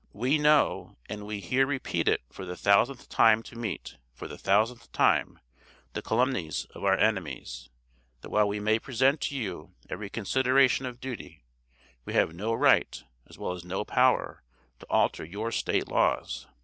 We know, and we here repeat it for the thousandth time to meet, for the thousandth time, the calumnies of our enemies, that while we may present to you every consideration of duty, we have no right, as well as no power, to alter your State laws.